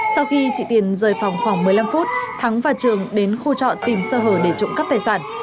sau khi chị tiền rời phòng khoảng một mươi năm phút thắng và trường đến khu trọ tìm sơ hờ để trụng cấp tài sản